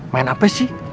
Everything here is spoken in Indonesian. main apa sih